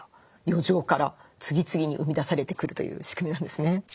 余剰から次々に生み出されてくるという仕組みなんですね。